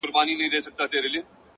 پرون مي دومره اوښكي توى كړې گراني ـ